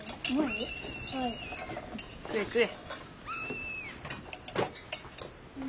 食え食え。